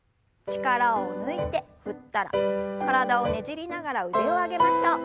力を抜いて振ったら体をねじりながら腕を上げましょう。